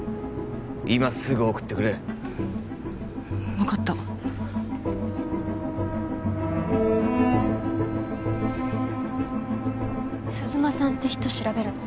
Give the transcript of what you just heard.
今すぐ送ってくれ分かった鈴間さんって人調べるの？